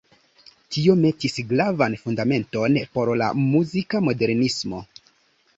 Tio metis gravan fundamenton por la muzika modernismo.